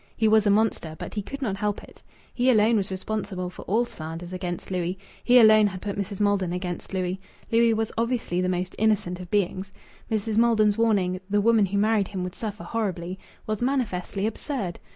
He was a monster, but he could not help it. He alone was responsible for all slanders against Louis. He alone had put Mrs. Maldon against Louis. Louis was obviously the most innocent of beings. Mrs. Maiden's warning, "The woman who married him would suffer horribly," was manifestly absurd.